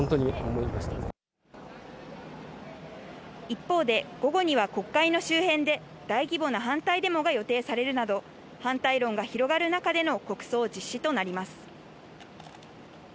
一方で、午後には国会の周辺で大規模な反対デモが予定されるなど、反対論が広がる中での国葬実施となります。